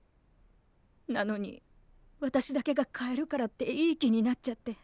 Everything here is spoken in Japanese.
なのに私だけが買えるからっていい気になっちゃって。